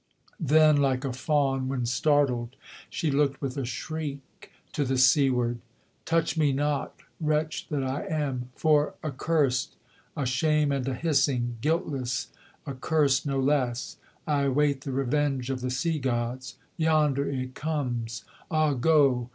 Then, like a fawn when startled, she looked with a shriek to the seaward. 'Touch me not, wretch that I am! For accursed, a shame and a hissing, Guiltless, accurst no less, I await the revenge of the sea gods. Yonder it comes! Ah go!